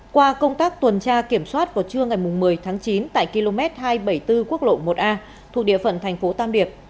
qua công tác tuần tra kiểm soát vào trưa ngày một mươi tháng chín tại km hai trăm bảy mươi bốn quốc lộ một a thuộc địa phận thành phố tam điệp